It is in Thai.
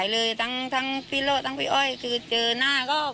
คือรักกันตั้งสองฝ่ายเลยทั้งทั้งพี่โร่ทั้งพี่อ้อยคือเจอหน้าก็